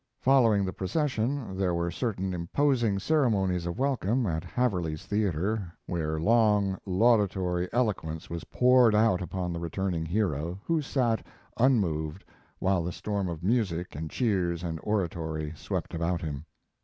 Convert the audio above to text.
Following the procession, there were certain imposing ceremonies of welcome at Haverly's Theater where long, laudatory eloquence was poured out upon the returning hero, who sat unmoved while the storm of music and cheers and oratory swept about him.